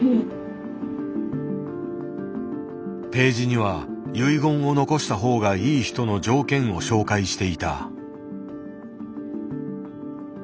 ページには遺言を残したほうがいい人の条件を紹介していた。